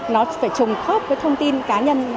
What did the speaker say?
nó phải trùng khóc với thông tin cá nhân